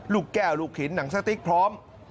ลูกแก้วลูกหินหนังสติ๊กพร้อม